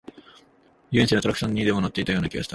遊園地のアトラクションにでも乗っているような気がした